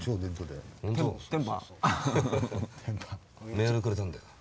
メールくれたんだよ。